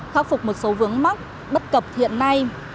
khắc phục một số vướng mắc bất cập hiện nay